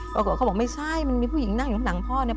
เขาบอกไม่ใช่มันมีผู้หญิงนั่งอยู่ข้างหลังพ่อเนี่ย